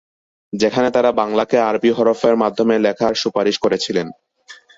যেখানে তারা বাংলাকে আরবি হরফে মাধ্যমে লেখার সুপারিশ করেছিলেন।